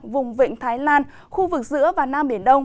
vùng vịnh thái lan khu vực giữa và nam biển đông